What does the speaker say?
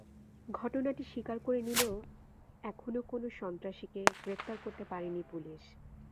ঘটনাটি স্বীকার করে নিলেও এখনো কোনো সন্ত্রাসীকে গ্রেপ্তার করতে পারেনি পুলিশ।